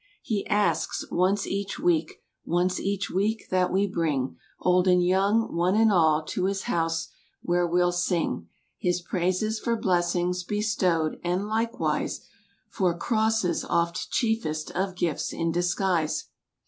He asks, once each week, once each week, that we bring Old and young, one and all to His house, where we'll sing His praises for blessings bestowed—and likewise For crosses, oft chiefest of gifts in disguise.